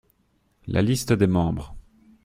La liste des membres.